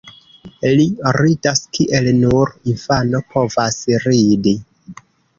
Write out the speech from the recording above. Li ridas kiel nur infano povas ridi.